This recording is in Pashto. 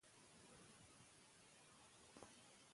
د کیفیت پر اساس ویډیو ارزونه ترسره کېږي.